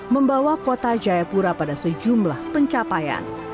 membawa kota jayapura pada sejumlah pencapaian